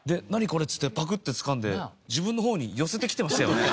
これっつってパクッてつかんで自分の方に寄せてきてましたよね。